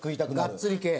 がっつり系。